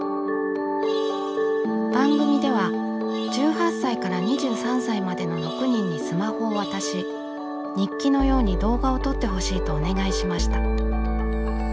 番組では１８歳から２３歳までの６人にスマホを渡し日記のように動画を撮ってほしいとお願いしました。